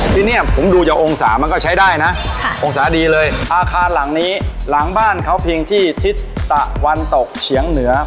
ที่นี่ผมดูจากองศามันก็ใช้ได้นะองศาดีเลยอาคารหลังนี้หลังบ้านเขาเพียงที่ทิศตะวันตกเฉียงเหนือ